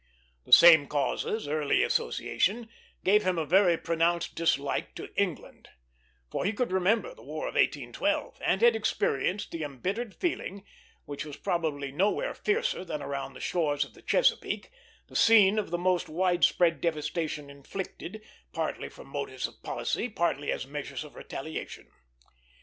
The same causes, early association, gave him a very pronounced dislike to England; for he could remember the War of 1812, and had experienced the embittered feeling which was probably nowhere fiercer than around the shores of the Chesapeake, the scene of the most wide spread devastation inflicted, partly from motives of policy, partly as measures of retaliation.